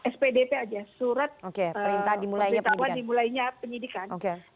spdp aja surat pemberitahuan dimulainya penyidikan